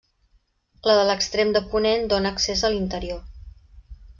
La de l'extrem de ponent dóna accés a l'interior.